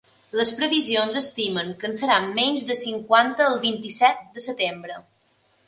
Les previsions estimen que en seran menys de cinquanta el vint-i-set de setembre.